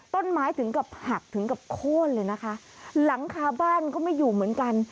ต้นไม้ถึงกับหักถึงกับโค้นเลยนะคะหลังคาบ้านก็ไม่อยู่เหมือนกัน